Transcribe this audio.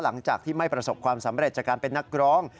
หลังจากที่ไม่ประสบความสำเร็จจากการเป็นนักร้อง